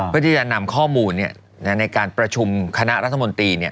เพื่อที่จะนำข้อมูลในการประชุมคณะรัฐมนตรี